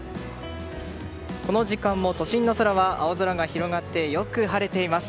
この時間も都心の空は青空が広がってよく晴れています。